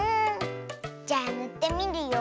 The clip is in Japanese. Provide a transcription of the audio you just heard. じゃあぬってみるよ。